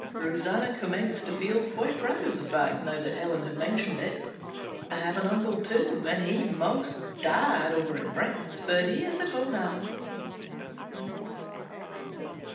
Rosanna commenced to feel quite proud of the fact now that Helen had mentioned it. "I have an uncle too, and he 'most died over in France but he is home now."